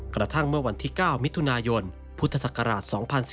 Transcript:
กระทั่งเมื่อวันที่๙มิถุนายนพุทธศักราช๒๔